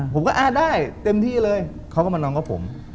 ผมก็อ่าได้เต็มที่เลยเขาก็มานอนกับผม